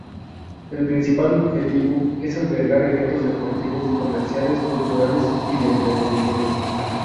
El principal objetivo es albergar eventos deportivos, comerciales, culturales y de entretenimiento.